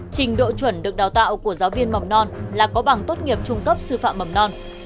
trình độ chuẩn được đào tạo của giáo viên mầm non là có bằng tốt nghiệp trung cấp sư phạm mầm non